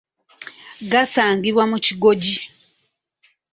Gasangibwa mu kigoji.